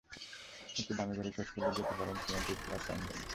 একটু দামি ঘড়ির খোঁজ করলে যেতে পারেন সীমান্ত স্কয়ার টাইম জোনে।